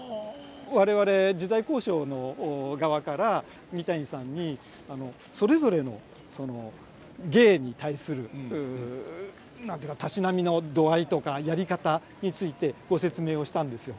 我々時代考証の側から三谷さんにそれぞれの芸に対する何て言うかたしなみの度合いとかやり方についてご説明をしたんですよ。